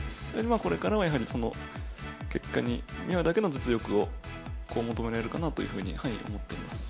これからはやはり、結果に見合うだけの実力を求められるかなというふうに思っています。